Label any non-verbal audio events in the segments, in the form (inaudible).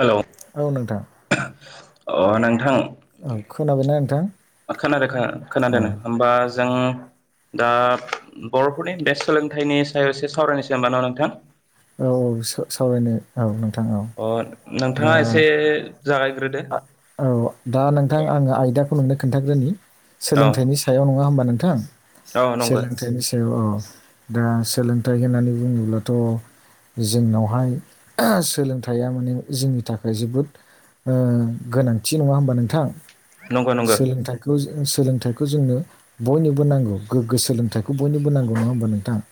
Hello औ नोंथां अ नोंथां औ खोनाबायना नोंथां खोनादों औ खोनादों होमबा जों दा बर'फोरनि बेस्ट सोलोंथाइनि सायाव एसे सावरायनोसै होनबा न' नोंथां औ औ सावरायनो औ नोंथां औ अ दा नोंथाङा एसे जागायग्रोदो औ दा नोंथां आङो आयदाखौ नोंनो खोन्थाग्रोनि औ सोलोंथाइनि सायाव नङा होमबा नोंथां औ नंगौ सोलोंथाइनि सायाव औ दा सोलोंथाइ होननानै बुङोब्लाथ' जोंनावहाय सोलोंथाइया माने जोंनि थाखाय जोबोद ओ गोनांथि नङा होमबा नोंथां नंगौ नंगौ सोलोंथाइखौ सोलोंथाइखौ जोंनो बयनोबो नांगौ गोग्गो सोलोंथाइखौ बयनोबो नांगौ नङा होमबा नोंथाङा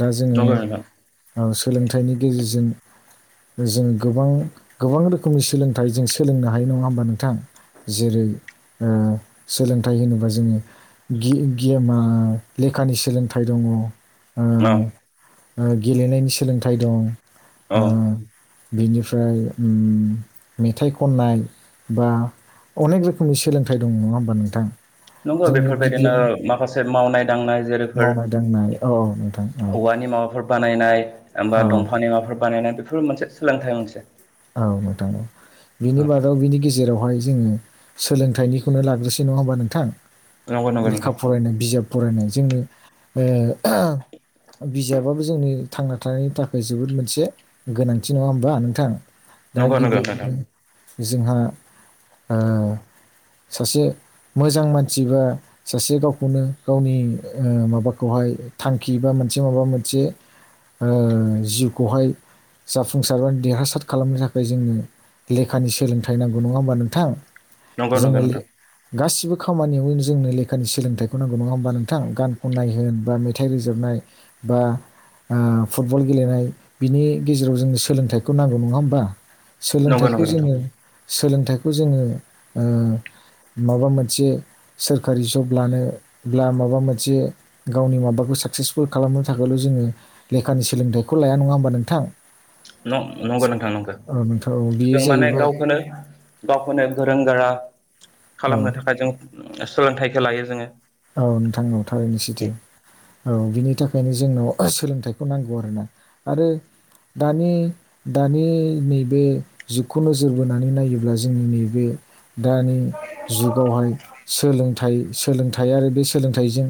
दा जोङो नंगौ नोंथां सोलोंथाइनि गेजेरजों जों गोबां गोबां रोखोमनि सोलोंथाइ जों सोलोंनो हायो नङा होमबा नोंथां जेरै ओ सोलोंथाइ होनोबा जोङो गियमा लेखानि सोलोंथाइ दं औ ओ गेलेनायनि सोलोंथाइ दं औ ओ बिनिफ्राय मेथाइ खननाय बा अनेक रोखोमनि सोलोंथाइ दं नङा होमबा नोंथां नंगौ जोंनि बेफोरबायदिनो गिबियाव माखासे मावनाय दांनाय जेरैफोर मावनाय दांनाय औ नोंथां औ औवानि माबाफोर बानायनाय बा औ दंफांनि माबाफोर बानायनाय बेफोर मोनसे सोलोंथाइ मोनसे औ नोंथां औ बिनि बादाव बिनि गेजेरावहाय जोङो सोलोंथाइनिखौनो लाग्रोसै नङा होमबा नोंथां नंगौ नंगौ लेखा नोंथां फरायनाय बिजाब फरायनाय जोंनो बिजाबाबो जोंनि थांना थानायनि थाखाय जोबोद मोनसे गोनांथि नङा होमबा नोंथां दा नंगौ नंगौ नोंथां गिबियावनो जोंहा सासे मोजां मानसि बा सासे गावखौनो गावनि माबाखौहाय थांखि बा मोनसे माबा मोनसे ओ जिउखौहाय जाफुंसारनो देरहासार खालामनो थाखाय जोंनो लेखानि सोलोंथाइ नांगौ नङा होमबा नोंथां नंगौ जोङो नंगौ ले नोंथां गासिबो खामानियावनो जोंनो लेखानि सोलोंथाइखौ नांगौ नङा होमबा नोंथां गानखौ खननाय होन बा मेथाइ रोजाबनाय बा ओ फुटबल गेलेनाय बिनि गेजेराव जोंनो सोलोंथाइखौ नांगौ नङा होमबा नंगौ सोलोंथाइखौ नंगौ नोंथां जोङो सोलोंथाइखौ जोङो माबा मोनसे सोरखारि जब लानोब्ला माबा मोनसे गावनि माबाखौ साक्सेसफुल खालामनो थाखायल' जोङो लेखानि सोलोंथाइखौ लाया नङा होमबा नोंथां (unintelligible) नंगौ नोंथां नंगौ औ नोंथां औ बेयो जों माने जाहैबाय गावखौनो गावखौनो गोरों गोरा औ खालामनो थाखाय जों सोलोंथाइखौ लायो जोङो औ नोंथां। थारैनो सैथो औ बिनि थाखायनो जोंनाव सोलोंथाइखौ नांगौ आरोना आरो दानि दानि नैबे जुगखौ नोजोर बोनानै नायोब्ला जोंनि नैबे दानि जुगावहाय सोलोंथाइ सोलोंथाइ थायो आरो बे सोलोंथाइजों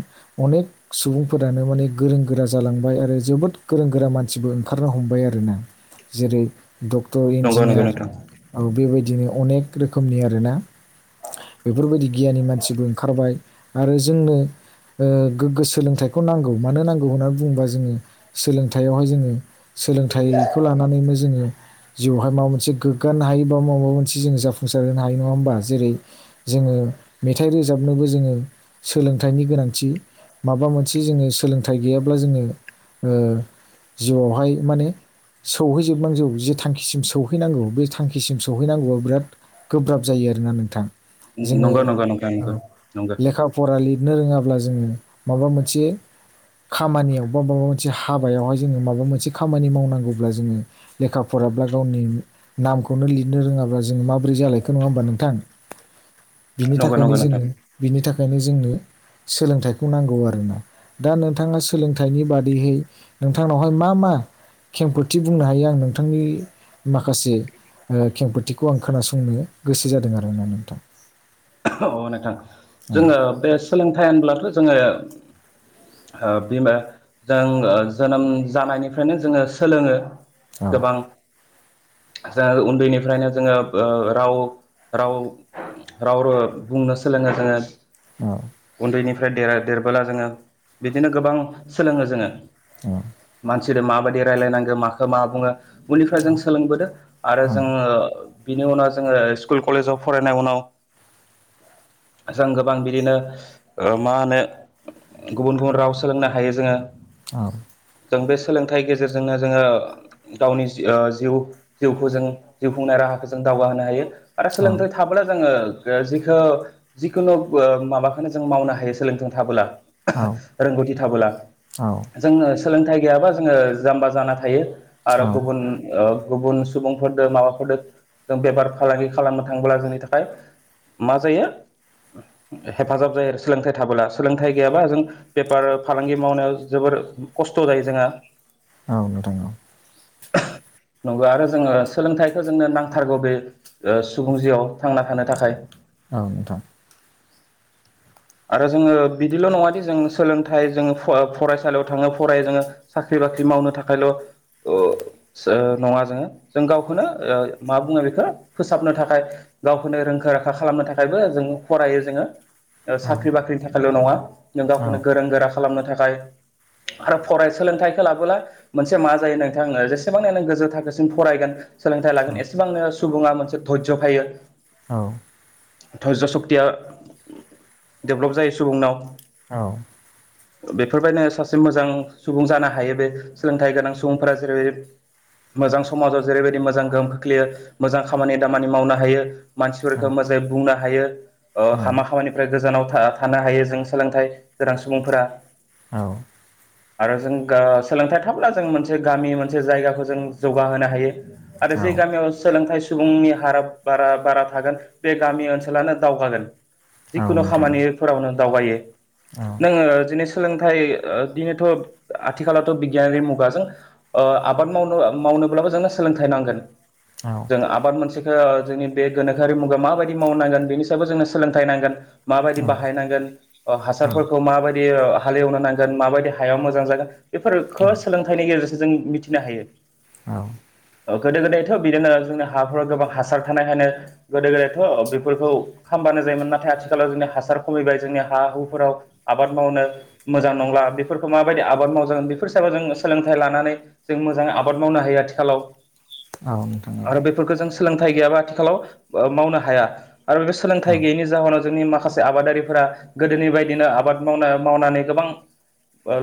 अनेक सुबुंफोरानो माने गोरों गोरा जालांबाय आरो जोबोर गोरों गोरा मानसिबो ओंखारनो हमबाय आरो ना जेरै डक्टर नंगौ नंगौ इन्जिनियार नोंथां औ बेबायदिनो अनेक रोखोमनि आरोना बेफोरबायदि गियानि मानसिबो ओंखारबाय आरो जोंनो ओ गोग्गो सोलोंथाइखौ नांगौ मानो नांगौ होननानै बुङोबा जोङो सोलोंथाइयावहाय जोङो सोलोंथाइखौ लानानैनो जोङो जिउहाय माबा मोनसे गोग्गानो हायो बा माबा मोनसे जोङो जाफुंसार होनो हायो नङा होमबा जेरै जोङो मेथाइ रोजाबनोबो जोङो सोलोंथाइनि गोनांथि माबा मोनसे जोङो सोलों थाइ गैयाब्ला जोङो ओ जिउआवहाय माने सौहैजोबनांगौ जे थांखिसिम सौहैनांगौ बे थांखिसिम सौहैनांगौआ बिराद गोब्राब जायो आरोना नोंथां। जोङो नंगौ नंगौ नोंथां औ नंगौ नंगौ लेखा फरा लिरनो रोङाब्ला जोङो माबा मोनसे खामानियाव बा माबा मोनसे हाबायावहाय जोङो माबा मोनसे खामानि मावनांगौब्ला जोङो लेखा फर बाब्ला गावनि नामखौनो लिरनो रोङाब्ला जों माबोरै जालायखो नङा होमबा नोंथां? बिनि नंगौ थाखायनो नंगौ नोंथां जोङो बिनि थाखायनो जोंनो सोलोंथाइखौ नांगौ आरोना दा नोंथाङा सोलोंथाइनि बादैहै नोंथांनावहाय मा मा खेमखोथि बुंनो हायो आं नोंथांनि माखासे ओ खेंफोथिखौ आं खोनासंनो गोसो जादों आरोना नोंथां। अ नोंथां औ जोङो बे सोलोंथाइ होनब्लाथ' जोङो ओ बिमा जों जोनोम जानायनिफ्रायनो जोङो सोलोङो औ गोबां (unintelligible) बेनिफ्रायनो जोङो ओ राव राव राव बुंनो सोलोङो जोङो औ फ्राय दरा-देरबोला जोङो बिदिनो गोबां सोलोङो जोङो। औ जेरै माबायदि रायलायनांगो माखौ मा बुङो बेनिफ्राय जों सोलोंबोददों आरो जोङो बिनि उनाव जोङो स्कुल कलेजाव फरायनाय उनाव (inaudible) जों गोबां बिदिनो मा होनो गुबुन गुबुन राव सोलोंनो हायो जोङो औ जों बे सोलोंथाइ गेजेरजोंनो जोङो गावनि जि ओ जिउ जिउखौ जों जिउ खुंनाय रा हा खौ जों दावगा‌ हायो आरो सोलोंथाइ थाब्ला जोङो ओ जिखौ जिखुनु माबाखौनो जों मावनो हायो सोलोंथों थाबोला रोंगौथि थाबोला जों सोलोंथाइ गैयाबा जोङो जाम्बा जाना थायो औ आरो गुबुन ओ गुबुन सुबुंफोरजों माबाफोरजों जों बेफार फालांगि खालामनो थांबोलाब्ला जोंनि थाखाय मा जायो हेफाजाब जायो आरो सोलोंथाइ थाबोला सोलोंथाइ गैयाबा जों बेपार फालांगि मावनायाव जोबोद खस्थ' जायो जोंहा औ नोंथां (unintelligible) नंगौ आरो जोङो सोलोंथाइखौ जोंनो नांथारगौ बे ओ सुबुं जिउआव थांना थानो थाखाय औ नोंथां आरो जोङो बिदिल नङा दि जों सोलोंथाइ जोङो फरा ओ फरायसालियाव थाङो फरायायो जोङो सा साख्रि बाख्रि मावनो थाखायल' (unintelligible) नङा जोङो जों गावखौनो ओ मा बुङो बेखौ फोसाबनो थाखाय गावखौनो रोंखा राखा खालामनो थाखायबो जों फरायो जोङो औ साख्रि बाख्रिनि थाखायल नङा। जों औ गावखौनो गोरों गोरा खालामनो थाखाय आरो फराय सोलोंथाइखौ लाबोला मोनसे मा जायो नोंथांनो जेसेबां नों गोजौ थाखोसिम फरायगोन सोलोंथाइ लागोन एसेबांनो सुबुङा मोनसे धज' फायो औ धज्ज' सक्तिया डेभ्लप जायो सुबुंनाव औ बेफोरबायदिनो सासे मोजां सुबुं जानो हायो बे सोलोंथाइ गोनां सुबुंफोरा जेरै मोजां समाजाव जेरैबायदि मोजां गोहोम खोख्लैयो मोजां खामानि दामानि मावनो हायो। नोंथां फोरखो औ मोजाङै बुंनो हायो हामा औ खामानिफ्राय गोजानाव थानो हायो जों सोलोंथाइ गोनां सुबुंफोरा औ। आरो जों सोलोंथाइ थाब्ला जों मोनसे गामि मोनसे जायगाखौ जों जौगाहोनो हायो। औ आरो जे गामियाव सोलोंथाइ सुबुंनि हारा बारा बारा थागोन बे गामि ओनसोलानो दावगागोन औ जिखुनु नोंथां औ नोंथां औ नोंथां खामानिफोराव नो दावगायो। औ (unintelligible) सोलोंथाइ बिनोथ' आथिखालावथ' बिगियानारि मुगाजों आबाद मावनो माव नोल्बाबो जोंनो सोलोंथाइ नांगोन। औ जों आबाद मोनसेखौ जोंनि बे गोनोखोआरि मुगायाव माबायदि मावनांगोन बेनि सायावबो जोंनो सोलोंथाइ नांगोन माबायदि बाहायनांगोन हासारफोरखौ माबायदि हालिएवनो नांगोन माबायदि हायाव मोजां जागोन बेफोरखौ सोलोंथाइनि गेजेरजों जों मिथिनो हायो। औ। गोदो गोदायथ' बिदिनो जोंनि हाफोराव गोबां हासार थानायखायनो गोदो गोदायथ' बेफोरखौ खामबानो जायोमोन नाथाय आथिखालाव जोंनि हासार खमायबाय जोंनि हा हुफोराव आबाद मावनो मोजां नंला बेफोरखौ माबायदि आबाद मावजागोन बेफोरनि सायाव जों सोलोंथाइ लानानै जों मोजां आबाद मावनो हायो आथिखालाव। औ नोंथां औ। आरो बेफोरखौ जों सोलोंथाइ गैयाबा आथिखालाव मावनो हाया आरो बे सोलोंथाइ गैयैनि जाहोनाव जोंनि माखासे आबादारिफोरा गोदोनि बायदिनो आबाद मावना मावनानै गोबां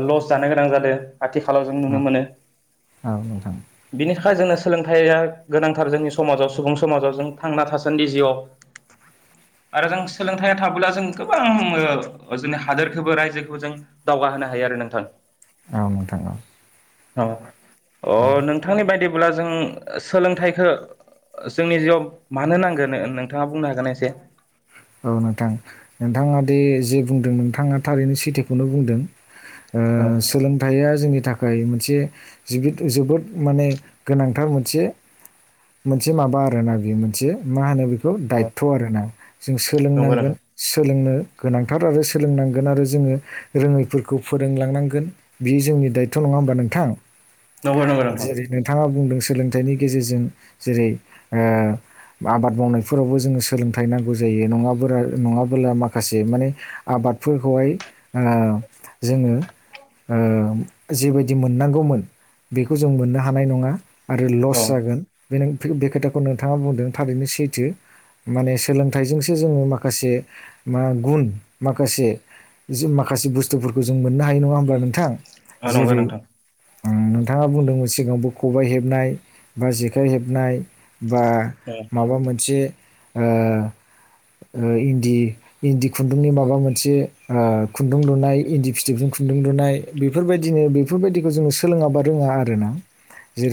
लस जानो गोनां जादों आथिखालाव जों नुनो मोनो बिनि थाखा य जोंनो सोलोंथाइया गोनांथार जोंनि समाजाव सुबुं समाजाव जों थांना थासान्दि जिउआव (inaudible) आरो जों सोलोंथाइ थाबोला जों गोबां जोंनि हादोरखौबो रायजोखौबो जों दावगा होनो हा यो नोंथां। औ नोंथां औ। अ नोंथांनि बायदि ब्ला जों सोलोंथाइखौ जोंनि जिआव मानो नांगोन नोंथाङा बुंनो हागोन ना एसे? औ नोंथां नोंथाङा दे जे बुंदों नोंथाङा थारैनो सैथोखौनो बुंदों। औ सोलोंथाइया जोंनि था खाय मोनसे जोबोद माने गोनांथार मोनसे मोनसे माबा आरोना बेयो मोनसे मा होनो बे खौ दायथ' आरोना जों नंगौ सोलोंनांगोन नोंथां सो लोंनो गोनांथार आरो सोलोंनांगोन आरो जोङो रोङैफोरखौ फोरोंलांनांगोन बियो जोंनि दायथ' नङा होमबा नोंथां नंगौ नंगौ नोंथां जेरै नोंथाङा बुंदों। सोलोंथाइनि गेजेरजों जेरै आबाद मावनायफोरावबो जोङो सोलोंथाइ नां गौ जायो नङाब्ला नङाब्ला माखसे माने आबादफोरखौहाय जोङो जिबायदि मोननांगौमोन बेखौ जों मोननो हानाय नङा। आरो लस औ जागोन बे बे खोथाखौ नोंथाङा बुंदों थारैनो सैथो माने सोलोंथाइजोंसो जोङो माखासे मा गुन माखासे माखासे बुस्थुफोर खौ जों मोननो हायो नङा होमब्ला नोंथां? औ नंगौ जेरै नोंथां। नोंथाङा बुंदोंमोन सिगांबो खबाइ हेबनाय बा जेखाइ हेबनाय बा माबा मोनसे इन्दि इन्दि खुन्दुंनि माबा मोनसे खुन्दुं लुनाय इन्दि फिथोबजों खुन्दुं लुनाय बेफोरबायदिनो बेफोरबायदिखौ जोङो सोलोङाबा रोङा आरोना।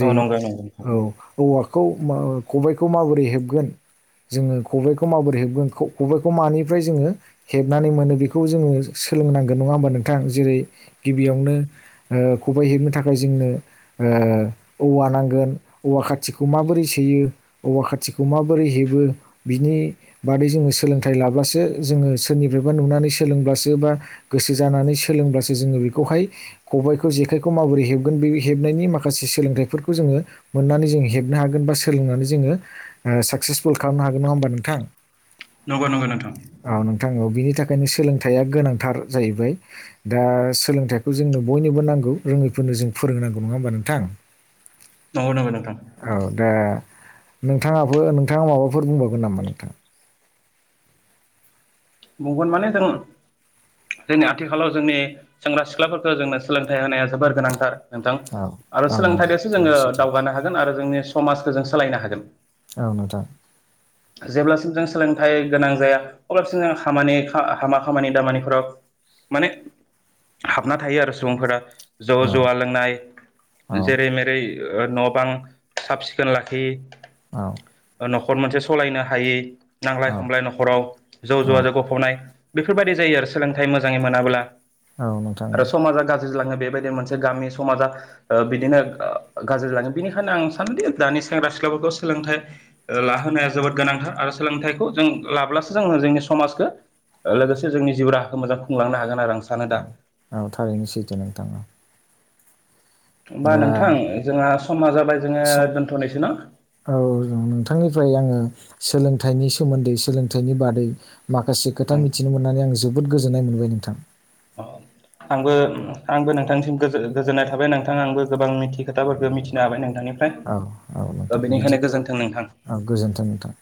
औ नंगौ नंगौ औ। औवाखौ खबायखौ माबोरै हेबगोन जोङो खबायखौ माबोरै हेबगोन खबायखौ मानिफ्राय जोङो हेबनानै मोनो बेखौ जोङो सोलोंनांगोन नङा। होमबा नोंथां जेरै गिबियावनो खबाइ हेबनो थाखाय जोंनो औवा नांगोन औवा खाथिखौ माबोरै सैयो औवा खाथिखौ माबोरै हेबो बिनि बादै जोङो सोलोंथाइ लाब्लासो जोङो सोरनिफ्रायबा नुनानै सोलोंब्लासो बा गोसो जानानै सोलोंब्लासो जोङो बेखौहाय खबायखौ जेखायखौ माबोरै हेबगोन बे हेबनायनि माखासे सोलोंथाइफोरखौ जोङो मोननानै जोंङो हेबनो हागोन बा सोलोंनानै जोङो ओ साक्सेसफुल खालामनो हागोन नङा होनबा नोंथां नंगौ नोंथां औ नोंथा औ बेनि थाखायनो सोलोंथाइया गोनांथार जाहैबाय दा सोलोंथाइखौ जोंनो बयनोबो नांगौ रोङै फोरनो जों फोरोंनांगौ नङा होमबा नोंथां नंगौ नंगौ नोंथां औ दा नोंथाङाबो नोंथाङा माबा फोर बुंबावगोन नामा नोंथा बुंगोन माने जों जोंनि आथिखालाव जोंनि सेंग्रा सिख्लाफोरखौ जोंनो सोलोंथाइ होनाया जोबोर गोनांथार नोंथां औ औ आरो नोंथां सोलोंथाइजोंसो थारैनो जोङो सैथो दावगानो हागोन आरो जोंनि समाजखौ जों सोलायनो हागोन औ नोंथा जेब्लासिम जों सोलोंथाइ गोनां जाया अब्लासिम जों खामानि हामा खामानि दामानिफोराव माने हाबना थायो आरो सुबुंफोरा जौ औ जुवा लोंनाय जेरै मेरै न' बां साब सिखोन लाखियि। औ। न'खर मोनसे सलायनो हायै नांलाय औ खमलाय न'राव जौ औ जुवाजों गफबनाय बेफोरबायदि जायो आरो सोलोंथाइ मोजाङै मोनाब्ला। औ नोंथां आरो औ (unintelligible) बेबायदिनो मोनसे गामि समाजा बिदिनो गाज्रि जाङो बेनिखायनो आं सानोदि दानि सेंग्रा सिख्लाफोरखौ सोलोंथाइ लाहोनाया जोबोद गोनांथार आरो सोलोंथाइखौ जों लाब्लासो जोङो जोंनि समाज जों लोगोसे जोंनि जिउ राहाखौ मोजां खुंलांनो हागोन। आरो आं सानो दा औ औ थारैनो सैथो नोंथां होमबा दा नोंथां जोंहा समा जाबाय जोङो सम दोनथ'नोसै ना। औ नोंथांनिफ्राय आङो सोलों थाइनि सोमोन्दै सोलोंथाइनि बादै माखासे खोथा मिथिनो मोननानै आं जोबोद गो जोननाय मोनबाय नोंथां आंबो आंबो नोंथांनिसिम गोजोननाय थाबाय नोंथां आंबो गोबां मिथियि खोथाफोरखौ मिथिनो हाबाय नोंथांनि औ औ नोंथां बिदिब्ला नोंथां औ गोजोन्थों नोंथां